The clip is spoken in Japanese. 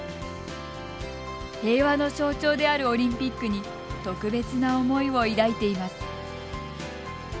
平和の象徴であるオリンピックに特別な思いを抱いています。